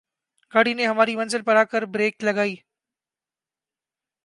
گاڑی نے ہماری منزل پر آ کر بریک لگائی